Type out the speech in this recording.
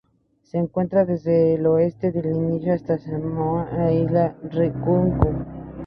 Se encuentra desde el oeste del Índico hasta Samoa e Islas Ryukyu.